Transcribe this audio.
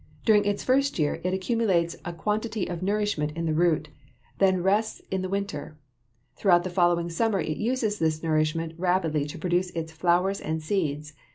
During its first year it accumulates a quantity of nourishment in the root, then rests in the winter. Throughout the following summer it uses this nourishment rapidly to produce its flowers and seeds.